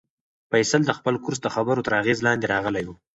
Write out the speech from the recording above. فیصل د خپل کورس د خبرو تر اغېز لاندې راغلی و.